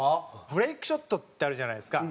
ブレイクショットってあるじゃないですか。